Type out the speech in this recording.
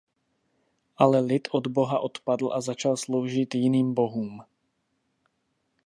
Ale lid od Boha odpadl a začal sloužit jiným bohům.